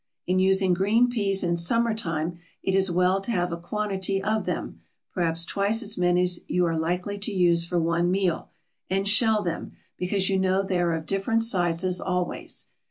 In using green peas in summer time it is well to have a quantity of them, perhaps twice as many as you are likely to use for one meal, and shell them, because you know they are of different sizes always.